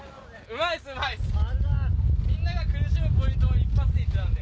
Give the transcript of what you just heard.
みんなが苦しむポイントを一発で行ってたんで。